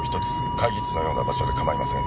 会議室のような場所で構いません。